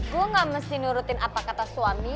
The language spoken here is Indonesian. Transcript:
gue gak mesti nurutin apa kata suami